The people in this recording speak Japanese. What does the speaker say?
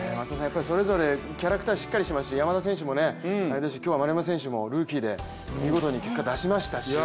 それぞれキャラクターしっかりしていますし山田選手もあれですし今日は丸山選手もルーキーで見事に結果を出しましたし。